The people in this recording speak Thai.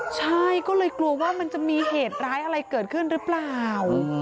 ใช่ก็เลยกลัวว่ามันจะมีเหตุร้ายอะไรเกิดขึ้นหรือเปล่า